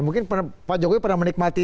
mungkin pak jokowi pernah menikmati